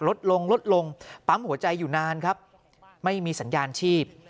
ลดลงลดลงปั๊มหัวใจอยู่นานครับไม่มีสัญญาณชีพ